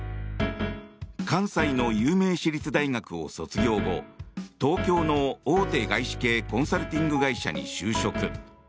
関西の有名私立大学を卒業後東京の大手外資系コンサルティング会社に就職。